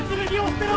捨てろ！